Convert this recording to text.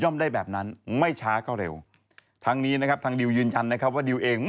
ไม่รู้เหมือนกัน